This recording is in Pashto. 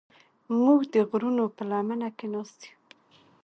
موږ د غرونو په لمنه کې ناست یو.